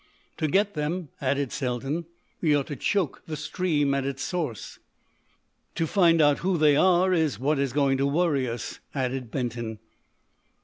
"To get them," added Selden, "we ought to choke the stream at its source." "To find out who they are is what is going to worry us," added Benton.